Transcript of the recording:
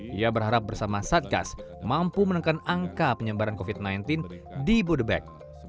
dia berharap bersama satgas mampu menekan angka penyebaran covid sembilan belas di bodebek